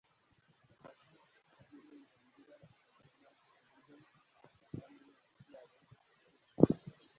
ububasha n'uburenganzira bungana k'uburyo isambu yabo ikoreshwa